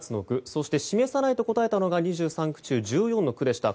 そして示さないと答えたのが２３区中１４の区でした。